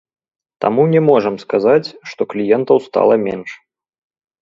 Таму не можам сказаць, што кліентаў стала менш.